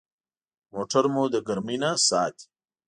موټر مو د ګرمي نه ساتي.